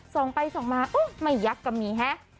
ส่องไปส่องมาอุ๊ยไม่ยักกับมีแฮะ